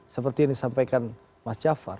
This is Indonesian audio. seperti yang disampaikan mas jafar